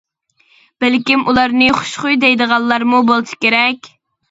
بەلكىم ئۇلارنى خۇشخۇي دەيدىغانلارمۇ بولسا كېرەك.